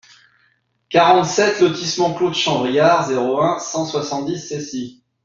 quarante-sept lotissement Clos de Champ-Vrillard, zéro un, cent soixante-dix Cessy